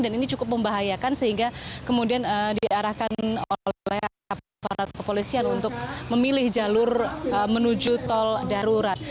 dan ini cukup membahayakan sehingga kemudian diarahkan oleh aparat kepolisian untuk memilih jalur menuju tol darurat